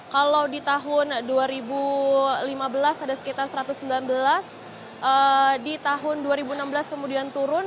kalau di tahun dua ribu lima belas ada sekitar satu ratus sembilan belas di tahun dua ribu enam belas kemudian turun